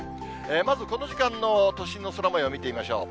まずこの時間の都心の空もよう見てみましょう。